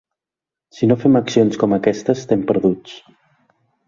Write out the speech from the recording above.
Si no fem accions com aquesta estem perduts.